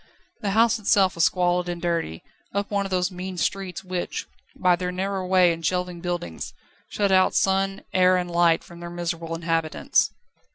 The house itself was squalid and dirty, up one of those mean streets which, by their narrow way and shelving buildings, shut out sun, air, and light from their miserable inhabitants.